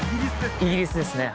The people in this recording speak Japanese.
イギリスですね。